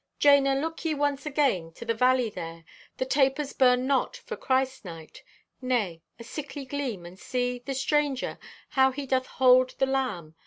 "Jana, look ye once again to the valley there. The tapers burn not for Christ night. Nay, a sickly gleam, and see, the Stranger, how he doth hold the lamb!